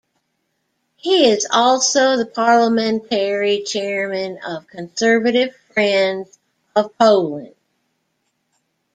He is also the Parliamentary Chairman of Conservative Friends of Poland.